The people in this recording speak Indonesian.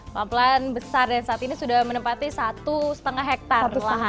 pampelan besar dan saat ini sudah menempati satu setengah hektar lahan